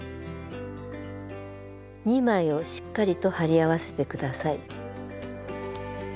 ２枚をしっかりと貼り合わせて下さい。